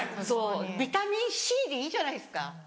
そうビタミンＣでいいじゃないですか。